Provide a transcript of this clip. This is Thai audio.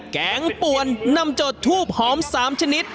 แกงป่วนนำจดทูบหอม๓ชนิด